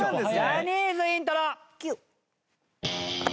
ジャニーズイントロＱ。